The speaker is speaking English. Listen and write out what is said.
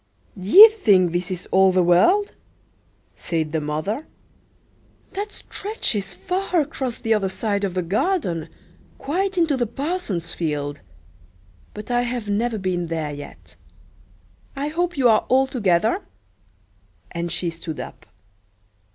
"D'ye think this is all the world?" said the mother. "That stretches far across the other side of the garden, quite into the parson's field; but I have never been there yet. I hope you are all together," and she stood up.